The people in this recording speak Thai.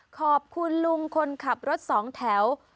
ขอบคุณลุงคนขับรถสองแถว